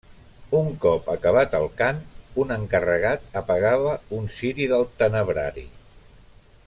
Un cop acabat el cant un encarregat apagava un ciri del tenebrari.